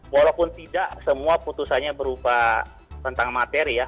walaupun tidak semua putusannya berupa tentang materi ya